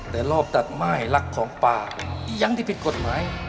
แต่รอบตัดไหม้หลักของปลายังได้ผิดกฎหมาย